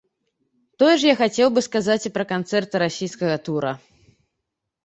Тое ж я хацеў бы сказаць і пра канцэрты расійскага тура.